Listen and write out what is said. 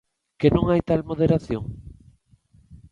Que non hai tal moderación!